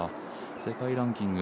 世界ランキング